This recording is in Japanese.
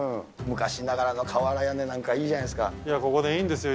昔ながらの瓦屋根なんかいいじゃないですか。